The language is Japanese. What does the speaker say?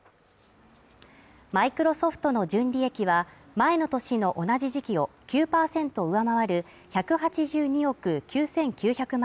マイクロソフトの純利益は前の年の同じ時期を９％上回る１８２億９９００万